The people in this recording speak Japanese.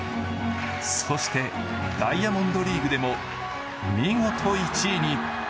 そして、ダイヤモンドリーグでも見事、１位に。